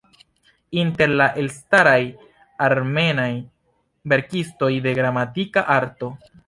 Inter la elstaraj armenaj verkistoj de "Gramatika Arto".